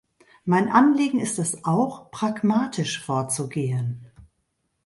Mein Anliegen ist es auch, pragmatisch vorzugehen.